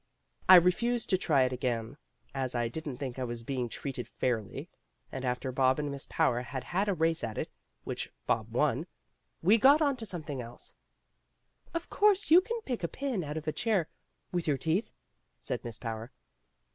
I refused to try it again as I didn't think I was being treated fairly; and after Bob and Miss Power had had a race at it, which Bob won, we got on to something else. "Of course you can pick a pin out of a chair with your teeth?" said Miss Power.